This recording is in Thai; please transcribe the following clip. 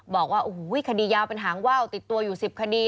บอกว่าโอ้โหคดียาวเป็นหางว่าวติดตัวอยู่๑๐คดี